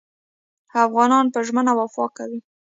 افغانان په ژمنه وفا کوي.